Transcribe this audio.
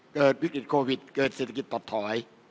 เกิดวิกฤตโควิดเกิดเศรษฐกิจถดถอย